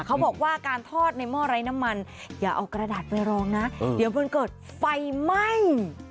เขาบอกว่าการทอดในหม้อไร้น้ำมันอย่าเอากระดาษไปรองนะเดี๋ยวมันเกิดไฟไหม้